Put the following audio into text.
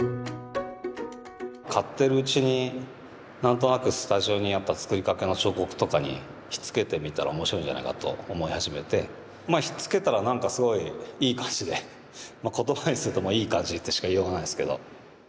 買ってるうちに何となくスタジオにあった作りかけの彫刻とかにひっつけてみたら面白いんじゃないかと思い始めてひっつけたら何かすごいいい感じで言葉にするともういい感じってしか言いようがないんですけど。